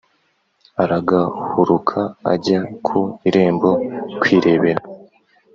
Aragahuruka ajya ku irembo kwirebera